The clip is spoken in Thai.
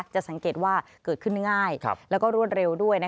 จะสังเกตว่าเกิดขึ้นง่ายแล้วก็รวดเร็วด้วย